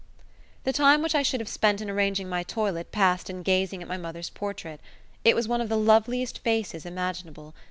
The time which I should have spent in arranging my toilet passed in gazing at my mother's portrait. It was one of the loveliest faces imaginable.